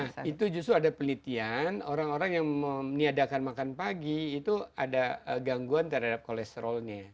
nah itu justru ada pelitian orang orang yang meniadakan makan pagi itu ada gangguan terhadap kolesterolnya